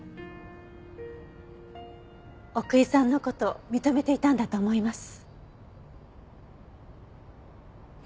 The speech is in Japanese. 奥居さんの事認めていたんだと思います。